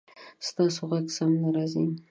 ستاسو غږ سم نه راځي